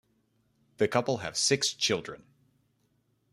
The couple have six children.